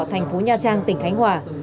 tp nha trang tỉnh khánh hòa